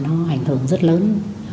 nó ảnh hưởng rất lớn